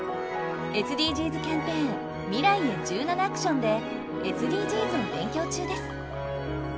ＳＤＧｓキャンペーン「未来へ１７ａｃｔｉｏｎ」でＳＤＧｓを勉強中です。